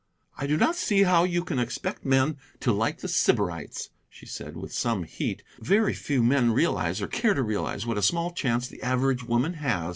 "I do not see how you can expect men to like 'The Sybarites'," she said, with some heat; "very few men realize or care to realize what a small chance the average woman has.